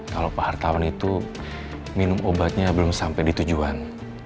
kalau pak hartawan itu minum obatnya belum sampai di tujuan